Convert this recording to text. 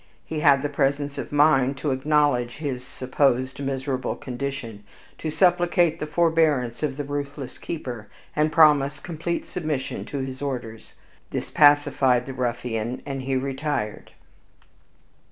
He had the presence of mind to acknowledge his (supposed) miserable condition, to supplicate the forbearance of the ruthless keeper, and promise complete submission to his orders. This pacified the ruffian, and he retired.